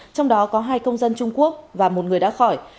trong đó có hai công dân trung quốc và một người đã khỏi